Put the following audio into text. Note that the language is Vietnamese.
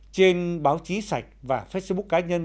trên báo chí sạch và facebook cá nhân